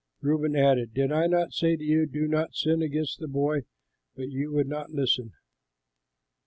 Reuben added, "Did I not say to you, 'Do not sin against the boy,' but you would not listen?"